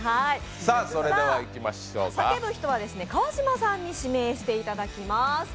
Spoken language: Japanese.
叫ぶ人は川島さんに指名していただきます。